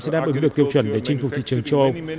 sẽ đáp ứng được tiêu chuẩn để chinh phục thị trường châu âu